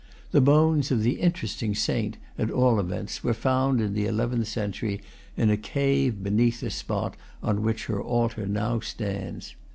The bones of the interesting saint, at all events, were found, in the eleventh century, in a cave beneath the spot on which her altar now stands.